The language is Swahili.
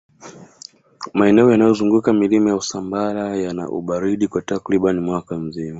maeneo yanayozunguka milima ya usambara yana ubaridi kwa takribani mwaka mzima